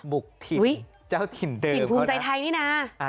บุกถิ่นเจ้าถิ่นเดิมเห็นภูมิใจไทยนี่นะ